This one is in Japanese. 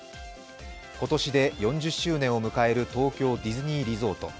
今年で４０周年を迎える東京ディズニーリゾート。